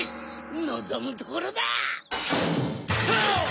のぞむところだ！